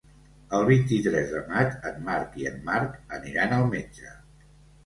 El vint-i-tres de maig en Marc i en Marc aniran al metge.